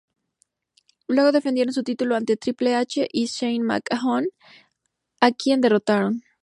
Luego defendieron su título ante Triple H y Shane McMahon a quienes derrotaron.